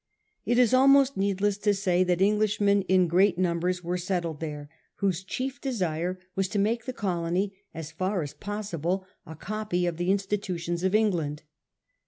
It is almost needless to say that Englishmen in great numbers were settled there, whose chief desire was to make the colony as far as possible a copy of the in stitutions of England.